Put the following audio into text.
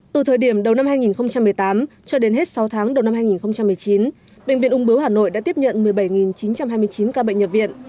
từ thời điểm đầu năm hai nghìn một mươi tám cho đến hết sáu tháng đầu năm hai nghìn một mươi chín bệnh viện ung bướu hà nội đã tiếp nhận một mươi bảy chín trăm hai mươi chín ca bệnh nhập viện